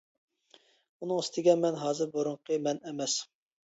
ئۇنىڭ ئۈستىگە مەن ھازىر بۇرۇنقى مەن ئەمەس.